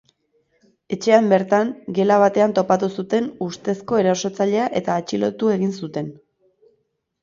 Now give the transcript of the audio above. Etxean bertan, gela batean topatu zuten ustezko erasotzailea eta atxilotu egin zuten.